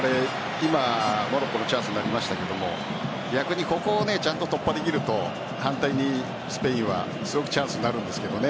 今、モロッコのチャンスになりましたが逆にここを突破できると簡単にスペインはすごくチャンスになるんですけどね。